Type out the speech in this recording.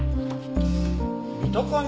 見た感じ